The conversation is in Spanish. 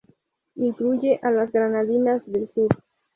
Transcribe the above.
Incluye a las Granadinas del sur.